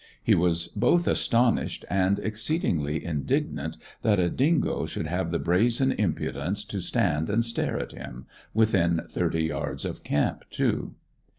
He was both astonished and exceedingly indignant that a dingo should have the brazen impudence to stand and stare at him, within thirty yards of camp, too.